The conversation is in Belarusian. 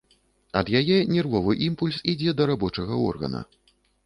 Ад яе нервовы імпульс ідзе да рабочага органа.